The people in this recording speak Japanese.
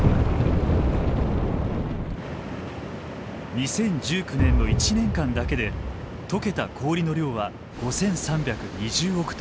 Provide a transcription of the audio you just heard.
２０１９年の１年間だけで解けた氷の量は５，３２０億トン。